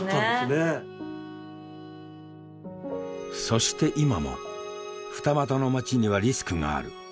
そして今も二俣の街にはリスクがある。